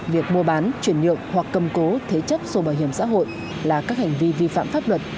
việc mua bán chuyển nhượng hoặc cầm cố thế chấp sổ bảo hiểm xã hội là các hành vi vi phạm pháp luật